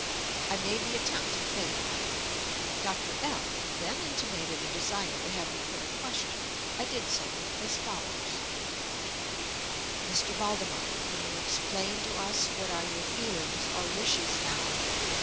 I made the attempt and failed. Dr. F—— then intimated a desire to have me put a question. I did so, as follows: "M. Valdemar, can you explain to us what are your feelings or wishes now?"